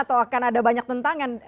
atau akan ada banyak tentangan